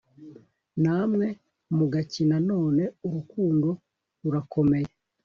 namwe mugakina none urukundo rurakomeye